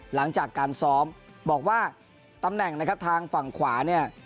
หลังจากการซ้อมบอกว่าตำแหน่งนะครับทางฝั่งขวาเนี่ย